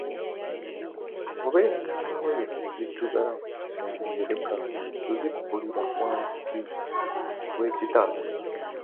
Bw‘obeera n‘engoye eziddugala mu kisenge leka kuzikukulira wansi wa kitanda.